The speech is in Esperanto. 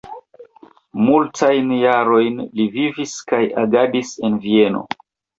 Multajn jarojn li vivis kaj agadis en Vieno.